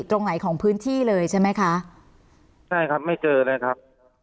ตรงไหนของพื้นที่เลยใช่ไหมคะใช่ครับไม่เจอเลยครับ